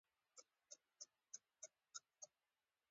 څنګه کولی شم د ډیپریشن نه خلاص شم